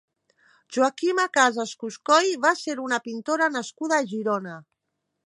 Joaquima Casas Cuscoy va ser una pintora nascuda a Girona.